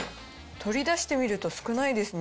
取り出してみると少ないですね。